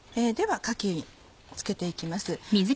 ではかき付けて行きます。